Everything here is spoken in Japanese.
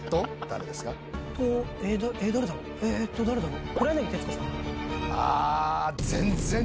誰だろう？